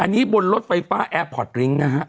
อันนี้บนรถไฟฟ้าแอร์พอร์ตลิ้งนะฮะ